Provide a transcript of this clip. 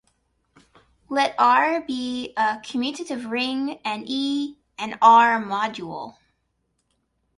Let "R" be a commutative ring and "E" an "R"-module.